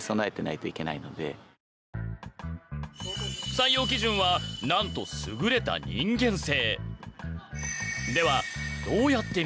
採用基準はなんと優れた人間性。